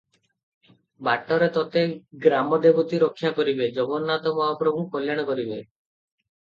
ବାଟରେ ତୋତେ ଗ୍ରାମଦେବତୀ ରକ୍ଷା କରିବେ, ଜଗନ୍ନାଥ ମହାପ୍ରଭୁ କଲ୍ୟାଣ କରିବେ ।